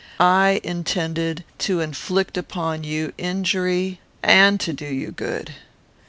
I intended to inflict upon you injury and to do you good.